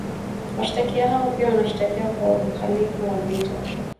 washtakiwa hao pia wanashtakiwa kwa uhalivu wa vita